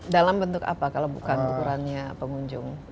dalam bentuk apa kalau bukan ukurannya pengunjung